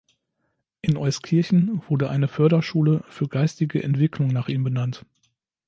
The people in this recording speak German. In Euskirchen wurde eine Förderschule für Geistige Entwicklung nach ihm benannt.